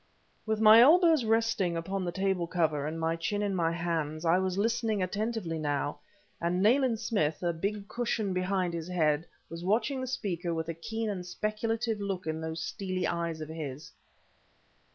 With my elbows resting upon the table cover, and my chin in my hands, I was listening attentively, now, and Nayland Smith, a big cushion behind his head, was watching the speaker with a keen and speculative look in those steely eyes of his.